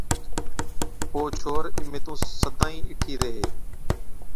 ’او ڇوهر، اِمهين تُون سدائِين اِٺي ريهي،